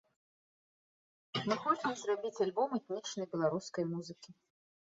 Мы хочам зрабіць альбом этнічнай беларускай музыкі.